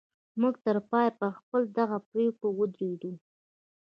موږ تر پایه پر خپله دغه پرېکړه ودرېدو